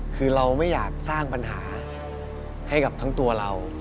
คือเราไม่อยากสร้างปัญหาให้กับทั้งตัวเรา